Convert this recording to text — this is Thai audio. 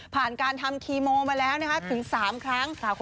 ผ่านการทำคีโมมาแล้วถึง๓ครั้ง